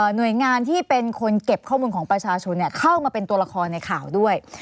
หน่วยงานที่เป็นคนเก็บข้อมูลของประชาชนเข้ามาเป็นตัวละครในข่าวด้วย